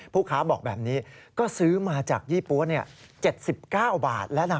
ค้าบอกแบบนี้ก็ซื้อมาจากยี่ปั๊ว๗๙บาทแล้วนะ